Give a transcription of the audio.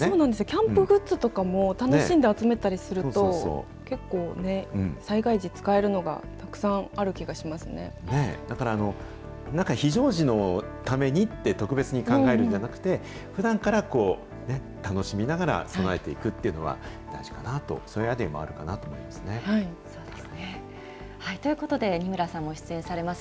キャンプグッズとかも楽しんで集めたりすると、結構ね、災害時、使えるのがたくさんある気がしまだから、なんか非常時のためにって、特別に考えるんじゃなくて、ふだんから楽しみながら備えていくというのは大事かなと、それもあるかなと思いまそうですね。ということで、仁村さんも出演されます